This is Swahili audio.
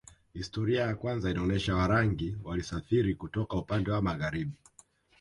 Historia ya kwanza inaonyesha Warangi walisafiri kutoka upande wa magharibi